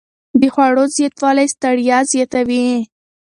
د خوړو زیاتوالی ستړیا زیاتوي.